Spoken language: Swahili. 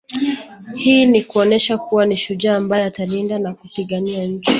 Hii ni kuonesha kuwa ni shujaa ambaye atalinda na kupigania nchi